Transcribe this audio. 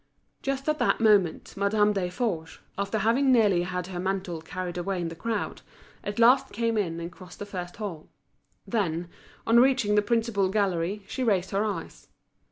Just at that moment Madame Desforges, after having nearly had her mantle carried away in the crowd, at last came in and crossed the first hall. Then, on reaching the principal gallery, she raised her eyes.